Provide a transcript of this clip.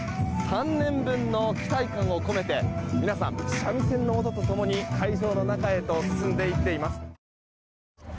３年分の期待感を込めて皆さん、三味線の音と共に会場の中へと進んでいっています。